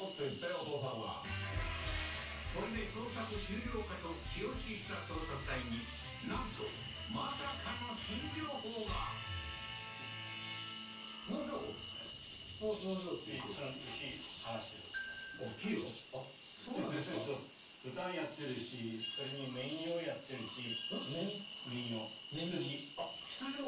お父さんがこれで捜索終了かと気落ちした捜索隊になんとまさかの新情報が農場っていうとあっそうなんですかそうそうそれに綿綿羊あっ羊も？